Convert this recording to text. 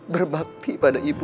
berbakti pada ibu